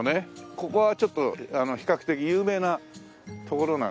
ここはちょっと比較的有名な所なんですけどね。